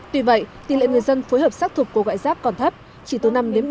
tuy vậy tỷ lệ người dân phối hợp xác thực cuộc gọi rác còn thấp chỉ tới năm bảy